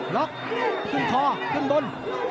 ล็อกขึ้นคอขึ้นบน